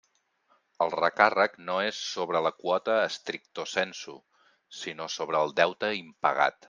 El recàrrec no és sobre la quota stricto sensu, sinó sobre el deute impagat.